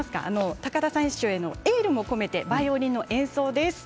高田選手へのエールも込めてバイオリンの演奏です。